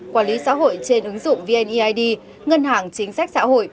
quản lý xã hội trên ứng dụng vneid ngân hàng chính sách xã hội